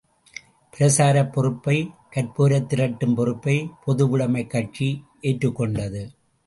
பிரசாரப் பொறுப்பை, கற்போரைத் திரட்டும் பொறுப்பை பொதுவுடைமைக் கட்சி ஏற்றுத் கொண்டது.